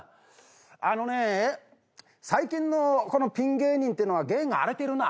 あのねぇ最近のピン芸人ってのは芸が荒れてるな。